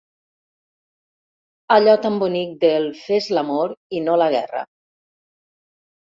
Allò tan bonic del "fes l'amor i no la guerra".